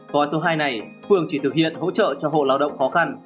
gói số hai này phường chỉ thực hiện hỗ trợ cho hộ lao động khó khăn